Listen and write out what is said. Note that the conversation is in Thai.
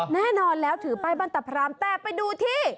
แน่นอนแล้วถือไปบ้านตรับรามแต่ไปดูที่